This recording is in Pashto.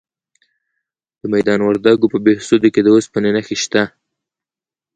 د میدان وردګو په بهسودو کې د اوسپنې نښې شته.